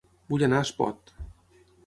Vull anar a Espot